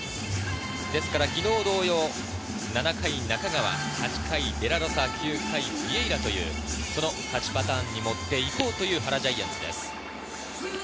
昨日同様、７回中川、８回デラロサ、９回ビエイラという勝ち方に持って行こうという原ジャイアンツです。